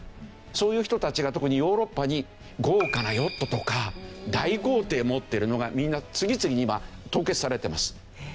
そういう人たちが特にヨーロッパに豪華なヨットとか大豪邸を持ってるのがみんな次々に今凍結されてます。